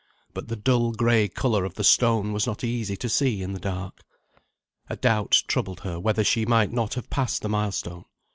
But the dull grey colour of the stone was not easy to see in the dark. A doubt troubled her whether she might not have passed the milestone.